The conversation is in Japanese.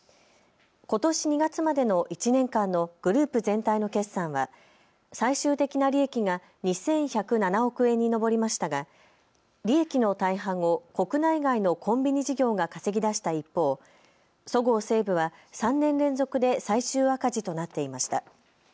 ことし２月までの１年間のグループ全体の決算は最終的な利益が２１０７億円に上りましたが利益の大半を国内外のコンビニ事業が稼ぎ出した一方、そごう・西武は３年連続で最終赤字となっていました。